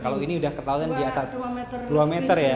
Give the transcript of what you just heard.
kalau ini udah ketahuan di atas dua meter ya